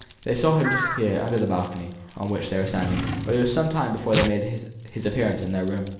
They saw him disappear under the balcony on which they were standing, but it was some time before he made his appearance in their room.